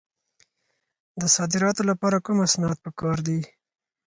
د صادراتو لپاره کوم اسناد پکار دي؟